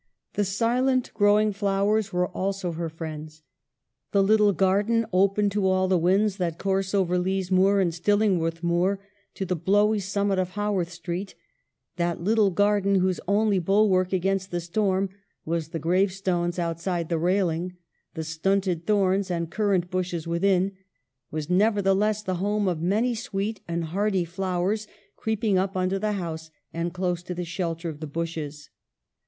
The silent growing flowers were also her friends. The little garden, open to all the winds that course over Lees Moor and Stil lingworth Moor to the blowy summit of Ha worth street — that little garden whose only bulwark against the storm was the gravestones outside the railing, the stunted thorns and cur rant bushes within — was nevertheless the home of many sweet and hardy flowers, creeping up under the house and close to the shelter of the bushes.